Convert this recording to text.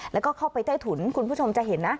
แล้วก็เข้าไปใต้ถุนคุณผู้ชมจะเห็นนะ